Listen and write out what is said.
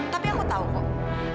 tapi aku tahu kok